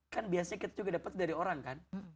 kan biasanya kita juga dapat dari orang kan